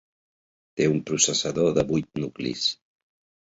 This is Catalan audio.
Té un processador de vuit nuclis.